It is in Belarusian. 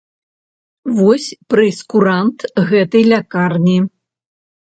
Вось прэйскурант гэтай лякарні.